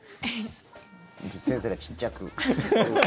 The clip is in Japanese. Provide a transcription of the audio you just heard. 先生がちっちゃく。